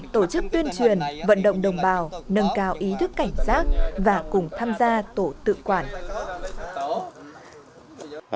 tổ chức tuyên truyền vận động đồng bào nâng cao ý thức cảnh giác và cùng tham gia tổ tự quản